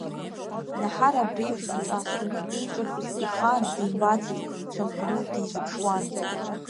Наҳар абри еиԥш иҿаасҭаны еиҿартәыз ихаан димбацызт, дшанханы дизыԥшуан.